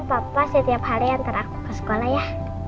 papa setiap hari antara aku ke sekolah ya